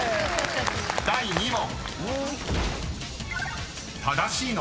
［第２問］